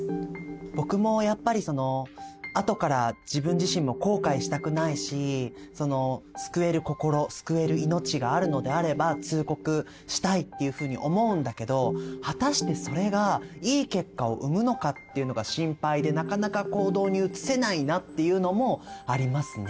僕もやっぱりそのあとから自分自身も後悔したくないし救える心救える命があるのであれば通告したいっていうふうに思うんだけど果たしてそれがいい結果を生むのかっていうのが心配でなかなか行動に移せないなっていうのもありますね。